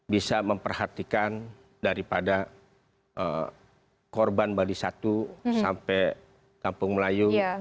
bisa memperhatikan daripada korban bali satu sampai kampung melayu